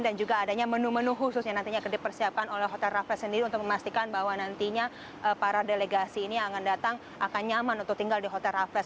dan juga adanya menu menu khusus yang nantinya akan dipersiapkan oleh hotel raffles sendiri untuk memastikan bahwa nantinya para delegasi ini yang akan datang akan nyaman untuk tinggal di hotel raffles